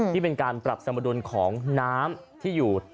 ที่เป็นการปรับสมดุลของน้ำที่อยู่